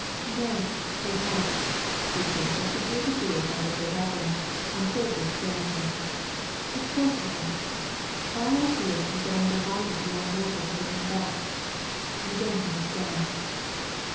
"No, I don't!" she said as she drew the jewels out of their wrappings and hurriedly examined them. "Of course I don't; all I feel is that I'm delighted beyond measure to get them back. You don't understand."